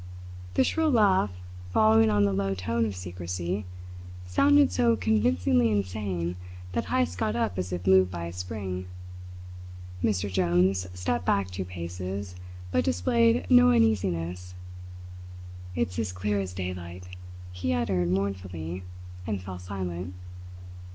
The shrill laugh, following on the low tone of secrecy, sounded so convincingly insane that Heyst got up as if moved by a spring. Mr. Jones stepped back two paces, but displayed no uneasiness. "It's as clear as daylight!" he uttered mournfully, and fell silent.